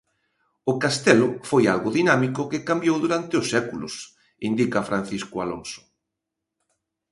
O castelo foi algo dinámico que cambiou durante os séculos, indica Francisco Alonso.